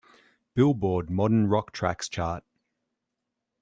Billboard Modern Rock Tracks chart.